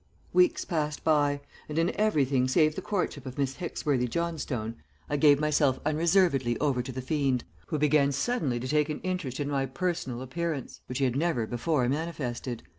"Weeks passed by, and in everything save the courtship of Miss Hicksworthy Johnstone I gave myself unreservedly over to the fiend, who began suddenly to take an interest in my personal appearance which he had never before manifested.